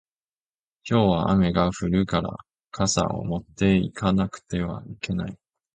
今日は雨が降るから傘を持って行かなくてはいけない